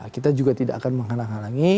kita juga tidak akan menghalang halangi